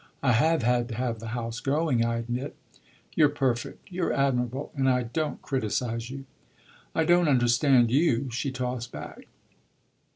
"I have had to have the house going, I admit." "You're perfect, you're admirable, and I don't criticise you." "I don't understand you!" she tossed back.